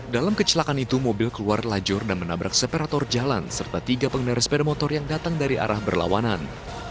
dalam kecelakaan itu mobil keluar lajur dan menabrak separator jalan serta tiga pengendara sepeda motor yang datang dari arah berlawanan